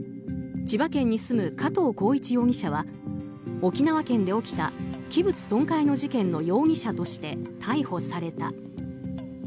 千葉県に住む加藤孝一容疑者は沖縄県で起きた器物損壊の事件の容疑者として逮捕された。